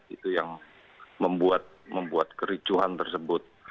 itu yang membuat kericuhan tersebut